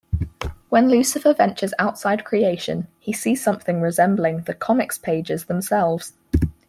When Lucifer ventures outside Creation, he sees something resembling the comics pages themselves.